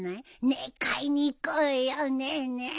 ねえ買いに行こうよねえねえ。